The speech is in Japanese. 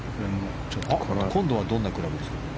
今度はどんなクラブですかね。